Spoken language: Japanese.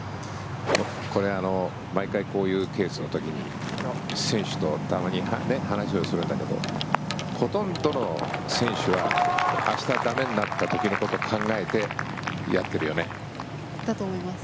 これ毎回こういうケースの時に選手とたまに話をするんだけどほとんどの選手は明日駄目になった時のことを考えてだと思います。